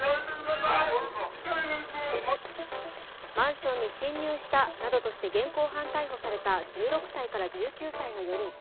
マンションに侵入したなどとして現行犯逮捕された１６歳から１９歳の４人。